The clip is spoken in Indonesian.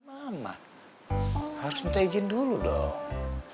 mama harus minta izin dulu dong